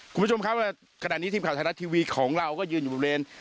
คุณผู้ชมครับขณะนี้ทีมข่าวไทยรัฐทีวีของเราก็ยืนอยู่บริเวณ